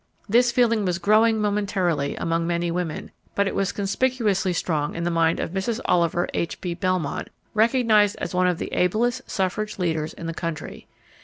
This feeling was growing momentarily among many women, but it was conspicuously strong in the mind of Mrs. Oliver H. P. Belmont, recognized as one of the ablest suffrage leaders in the country.